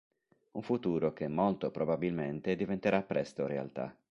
Un futuro che molto probabilmente diventerà presto realtà.